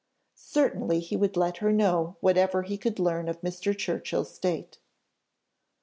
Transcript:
Certainly he would let her know whatever he could learn of Mr. Churchill's state.